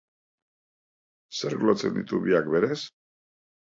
Zerk lotzen ditu biak berez?